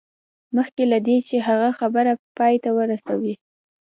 مخکې له دې چې هغه خبره پای ته ورسوي